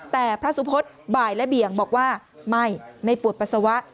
แต่พระสุพธิ์บ่ายและเบี่ยงบอกว่าไม่ไม่ปวดปัสสาวะ